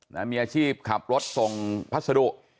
นะมีอาชีพขับรถส่งพัสดุ